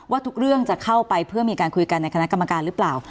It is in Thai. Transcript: ทุกเรื่องจะเข้าไปเพื่อมีการคุยกันในคณะกรรมการหรือเปล่า